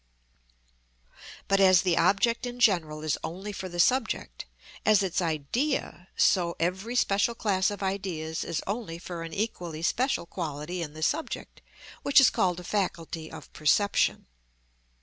But as the object in general is only for the subject, as its idea, so every special class of ideas is only for an equally special quality in the subject, which is called a faculty of perception.